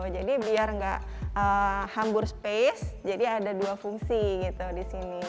jadi biar nggak hambur space jadi ada dua fungsi gitu di sini